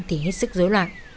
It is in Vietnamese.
thì hết sức dối loạn